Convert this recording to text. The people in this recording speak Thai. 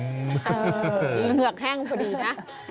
เหงือกแห้งพอดีนะ